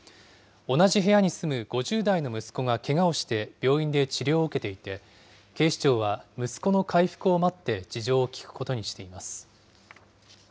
同じ部屋に住む５０代の息子がけがをして病院で治療を受けていて、警視庁は息子の回復を待って事情を聴くことにしています。